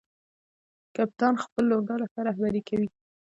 کپتان خپله لوبډله ښه رهبري کوي.